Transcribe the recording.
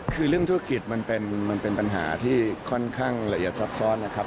คือเรื่องธุรกิจมันเป็นปัญหาที่ค่อนข้างละเอียดซับซ้อนนะครับ